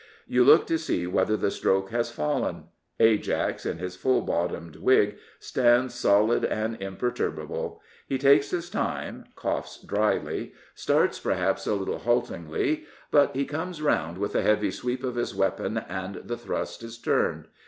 You look to see whether the stroke has fallen. Ajax, in his full bottomed wig, stands solid and impei^yjfbable. He takes his time, coughs drily, The Speaker starts perhaps a little haltingly, but he comes round with a heavy sweep of his weapon and the thrust is turned.